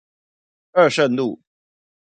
二聖路